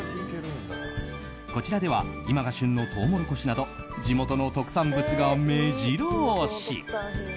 こちらでは今が旬のトウモロコシなど地元の特産物が目白押し。